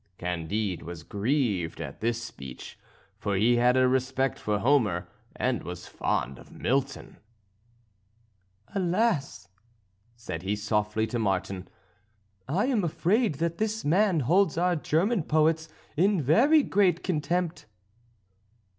Candide was grieved at this speech, for he had a respect for Homer and was fond of Milton. "Alas!" said he softly to Martin, "I am afraid that this man holds our German poets in very great contempt."